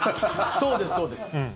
そうです、そうです。